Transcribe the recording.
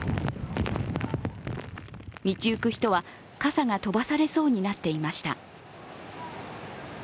道行く人は、傘が飛ばされそうになっていました。